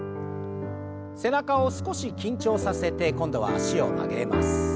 背中を少し緊張させて今度は脚を曲げます。